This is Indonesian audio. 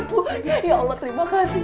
pokoknya ya allah terima kasih